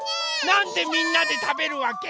なんでみんなでたべるわけ？